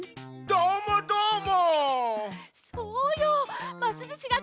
どーもどーも！